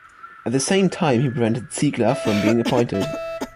At the same time, he prevented Ziegler from being appointed.